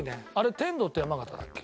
天童って山形だっけ？